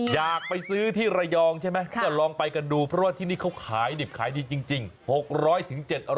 อยากไปซื้อที่ระยองใช่ไหมก็ลองไปกันดูเพราะว่าที่นี่เขาขายดิบขายดีจริง